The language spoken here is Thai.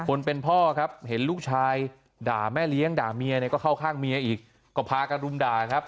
คนเป็นพ่อครับเห็นลูกชายด่าแม่เลี้ยงด่าเมียเนี่ยก็เข้าข้างเมียอีกก็พากันรุมด่าครับ